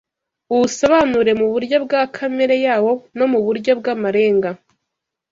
uwusobanure mu buryo bwa kamere yawo no mu buryo bw’amarenga